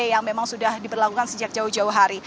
yang memang sudah diberlakukan sejak jauh jauh hari